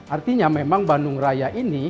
artinya memang bandung raya ini